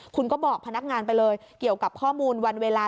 คุณก็บอกพนักงานไปเลยเกี่ยวกับข้อมูลวันเวลา